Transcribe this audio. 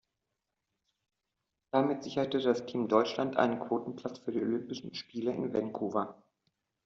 Damit sicherte das Team Deutschland einen Quotenplatz für die Olympischen Spiele in Vancouver.